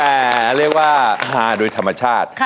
แต่เรียกว่าฮาโดยธรรมชาติ